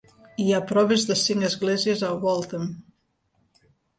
Hi ha proves de cinc esglésies a Waltham.